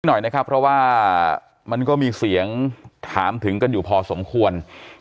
หน่อยนะครับเพราะว่ามันก็มีเสียงถามถึงกันอยู่พอสมควร